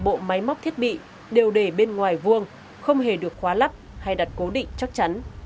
bộ máy móc thiết bị đều để bên ngoài vuông không hề được khóa lắp hay đặt cố định chắc chắn